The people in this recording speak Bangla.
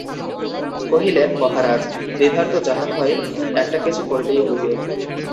কহিলেন, মহারাজ, বিভার তো যাহা হয় একটা কিছু করিতে হইবে।